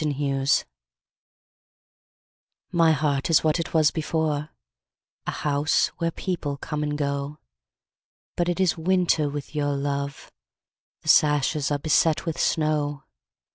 ALMS My heart is what it was before, A house where people come and go; But it is winter with your love, The sashes are beset with snow.